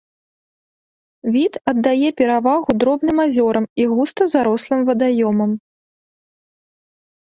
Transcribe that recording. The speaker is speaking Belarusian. Від аддае перавагу дробным азёрам і густа зарослым вадаёмам.